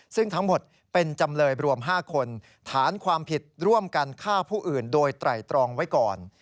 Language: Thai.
ซึ่งทั้งหมดเป็นจำเลยรวม๕คนฐานความผิดร่วมกันฆ่าผู้อื่นโดยไตรตรองไว้ก่อน